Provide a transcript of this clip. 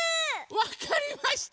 わかりました。